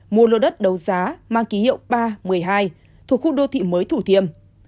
mua lô đất đấu giá mang ký hiệu ba một mươi hai thuộc khu đô thị mới thủ thiêm